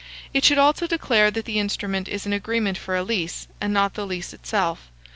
It should also declare that the instrument is an agreement for a lease, and not the lease itself.